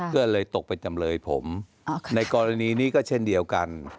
ก็เลยตกเป็นจำเลยผมในกรณีนี้ก็เช่นเดียวกัน